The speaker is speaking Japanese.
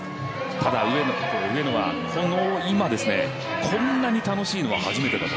ただ、上野は、この今こんなに楽しいのは初めてだと。